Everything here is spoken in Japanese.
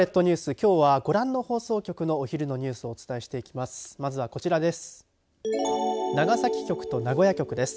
きょうは、ご覧の放送局のお昼のニュースをお伝えしていきます。